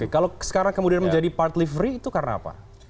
kalau sekarang kemudian menjadi partly free itu karena apa